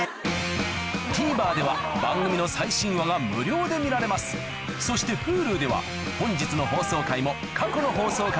ＴＶｅｒでは番組の最新話が無料で見られますそしてＨｕｌｕでは本日の放送回も過去の放送回もいつでもどこでも見られます